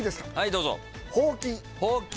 どうぞ。